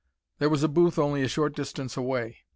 There was a booth only a short distance away.